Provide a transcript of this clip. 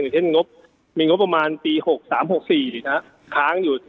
อย่างเช่นมีงบประมาณปีหกสามหกสี่นะฮะค้างอยู่